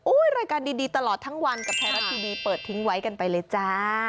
รายการดีตลอดทั้งวันกับไทยรัฐทีวีเปิดทิ้งไว้กันไปเลยจ้า